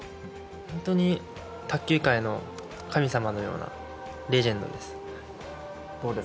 本当に卓球界の神様のようなレジェンドです。